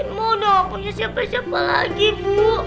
mau udah ngapain siapa siapa lagi bu